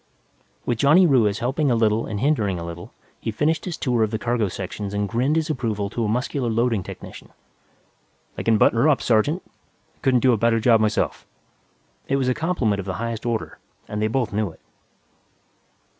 With Johnny Ruiz helping a little and hindering a little, he finished his tour of the cargo sections and grinned his approval to a muscular loading technician. "They can button her up, sergeant. I couldn't do a better job myself." It was a compliment of the highest order, and they both knew it.